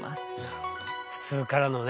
普通からのね